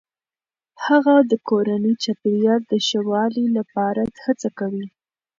هغه د کورني چاپیریال د ښه والي لپاره هڅه کوي.